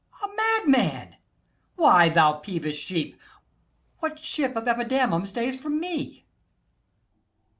a madman! Why, thou peevish sheep, What ship of Epidamnum stays for me?